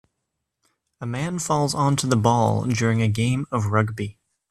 A man falls onto the ball during a game of rugby